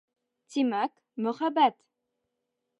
Тимәк, Мөхәббәт!